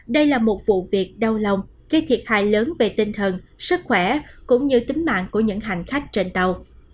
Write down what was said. đây là một vụ việc đau lòng gây thiệt hại lớn về tinh thần sức khỏe cũng như tính mạng của những hành khách trên tàu